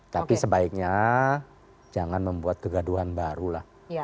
tapi sebaiknya jangan membuat kegaduhan baru lah